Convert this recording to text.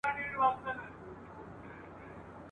د زامنو به مي څیري کړي نسونه !.